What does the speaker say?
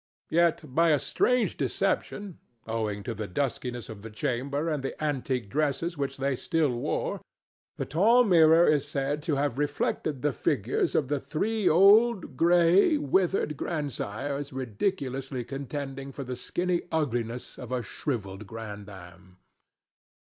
Yet, by a strange deception, owing to the duskiness of the chamber and the antique dresses which they still wore, the tall mirror is said to have reflected the figures of the three old, gray, withered grand sires ridiculously contending for the skinny ugliness of a shrivelled grandam.